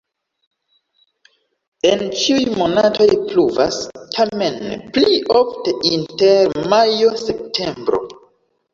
En ĉiuj monatoj pluvas, tamen pli ofte inter majo-septembro.